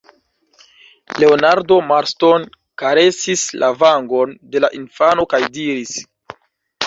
Leonardo Marston karesis la vangon de la infano kaj diris: